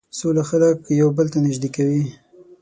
سوله خلک یو بل ته نژدې کوي.